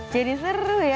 jadi seru ya